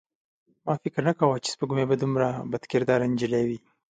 ما فکر نه کاوه چې سپوږمۍ به دومره بدکاره نجلۍ وي.